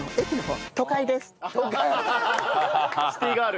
シティーガール。